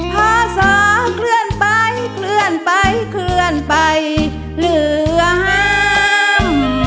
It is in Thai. พาสอเคลื่อนไปเคลื่อนไปเคลื่อนไปเรื่อง